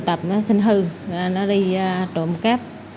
tập nó sinh hư nó đi trộm cáp